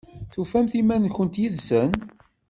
Tufamt iman-nkent yid-sen?